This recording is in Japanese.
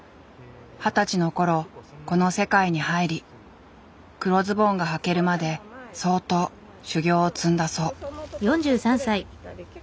二十歳の頃この世界に入り黒ズボンがはけるまで相当修業を積んだそう。